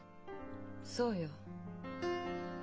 そうよ。